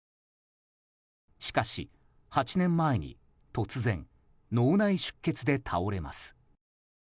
しかし、８年前に突然脳内出血で倒れます。